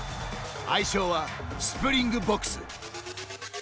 愛称はスプリングボクス。